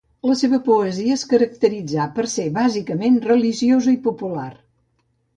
La seva poesia es caracteritzà per ser bàsicament religiosa i popular.